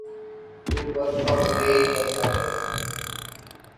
تو بس اب یہی کرنا چاہیے۔